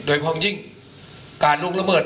โดยพลังดิ้งการลุกละเมิด